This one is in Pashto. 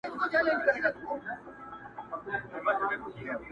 زما په مینه ورور له ورور سره جنګیږي.!